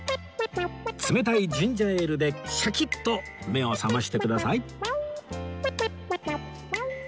冷たいジンジャエールでシャキっと目を覚ましてください